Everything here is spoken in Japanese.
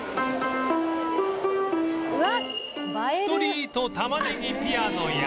ストリートたまねぎピアノや